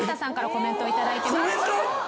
コメント！？